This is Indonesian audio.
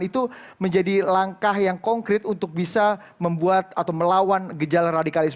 itu menjadi langkah yang konkret untuk bisa membuat atau melawan gejala radikalisme